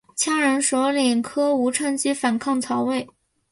羌人首领柯吾趁机反抗曹魏。